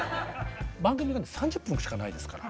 番組が３０分しかないですから。